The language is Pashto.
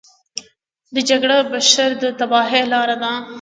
جګړه د بشر د تباهۍ لاره ده